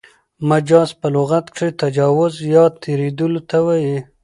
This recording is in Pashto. مجاز په لغت کښي تجاوز یا تېرېدلو ته وايي.